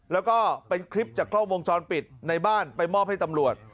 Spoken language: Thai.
แล้วก็เป็นคลิปจากกล้องวงจรปิดในบ้านไปมอบให้ตำรวจ